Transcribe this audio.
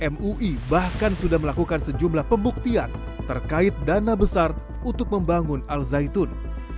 mui bahkan sudah melakukan sejumlah pembuktian terkait dana besar untuk membangun al zaitun